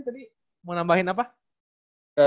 tadi mau nambahin apa